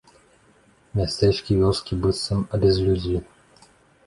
Мястэчкі і вёскі быццам абязлюдзелі.